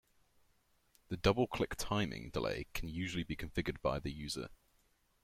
The double-click timing delay can usually be configured by the user.